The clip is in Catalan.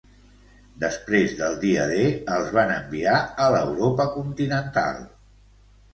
Després del dia D, els van enviar a l'Europa continental.